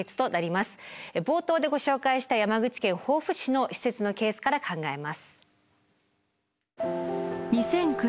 冒頭でご紹介した山口県防府市の施設のケースから考えます。